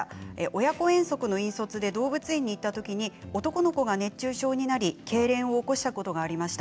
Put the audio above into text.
親子遠足の引率で動物園に行ったときに男の子は熱中症になりけいれんを起こしたことがありました。